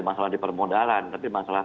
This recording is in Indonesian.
masalah di permodalan tapi masalah